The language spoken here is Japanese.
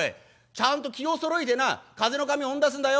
ちゃんと気をそろえてな風の神を追ん出すんだよ。